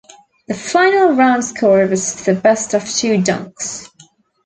The final round score was the best of two dunks.